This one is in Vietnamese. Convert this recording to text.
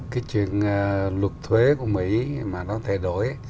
cái chuyện luật thuế của mỹ mà nó thay đổi